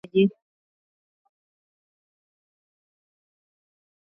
Ugonjwa huu hupatikana maeneo yote ya wafugaji